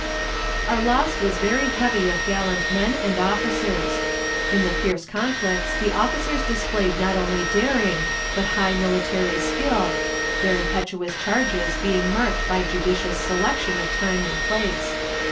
Our loss was very heavy of gallant men and officers. In the fierce conflicts the officers displayed not only daring, but high military skill, their impetuous charges being marked by judicious selection of time and place.